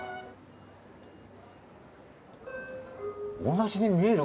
同じに見える？